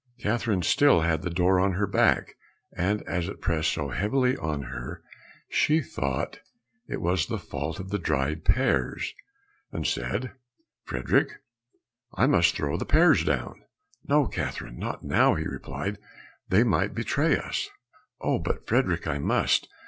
Catherine still had the door on her back, and as it pressed so heavily on her, she thought it was the fault of the dried pears, and said, "Frederick, I must throw the pears down." "No, Catherine, not now," he replied, "they might betray us." "Oh, but, Frederick, I must!